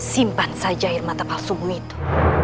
simpan saja irmata palsumu itu